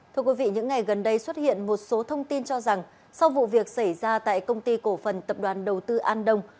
thưa quý vị những ngày gần đây xuất hiện một số thông tin cho rằng sau vụ việc xảy ra tại công ty cổ phần tập đoàn đầu tư an đông